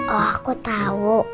oh aku tau